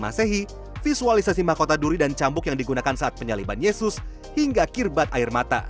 masehi visualisasi mahkota duri dan cambuk yang digunakan saat penyaliban yesus hingga kirbat air mata